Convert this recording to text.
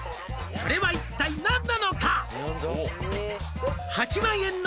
「それは一体何なのか？」